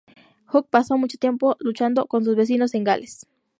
Hugh pasó mucho de su tiempo luchando con sus vecinos en Gales.